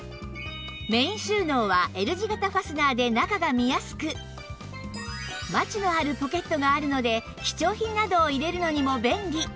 メイン収納は Ｌ 字型ファスナーで中が見やすくマチのあるポケットがあるので貴重品などを入れるのにも便利